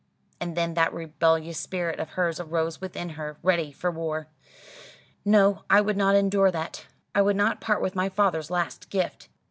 '" And then that rebellious spirit of hers arose within her, ready for war. "No, I would not endure that. I would not part with my father's last gift.